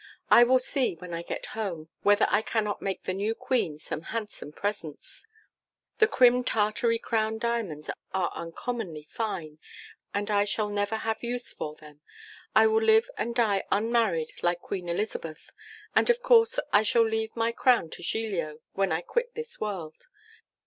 I will see, when I get home, whether I cannot make the new Queen some handsome presents. The Crim Tartary crown diamonds are uncommonly fine, and I shall never have any use for them. I will live and die unmarried like Queen Elizabeth, and, of course, I shall leave my crown to Giglio when I quit this world.